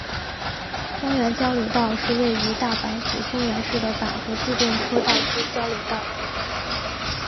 松原交流道是位于大阪府松原市的阪和自动车道之交流道。